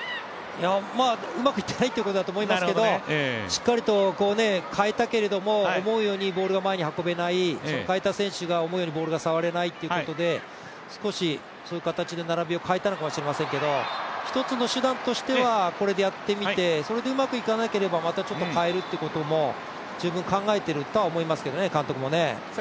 うまくいってないってことだと思いますけどしっかりと、代えたけれども思うようにボールを運べないその代えた選手が思うようにボールを触れないというところで、少しそういう形で並びを変えたのかもしれませんけど、一つの手段としてはこれでやってみてそれでうまくいかなければまたちょっと代えるということも十分考えているとは思いますけどね、監督もね。